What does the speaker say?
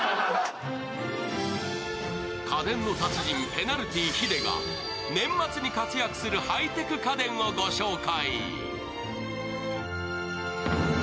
家電の達人・ペナルティ・ヒデが年末に活躍するハイテク家電を御紹介。